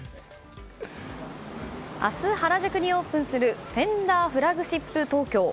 明日、原宿にオープンするフェンダーフラグシップ東京。